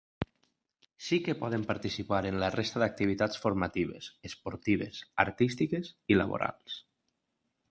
Sí que poden participar en la resta d’activitats formatives, esportives, artístiques i laborals.